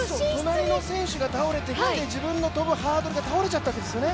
隣の選手が倒れてきて、自分の跳ぶハードルが倒れちゃったんですよね。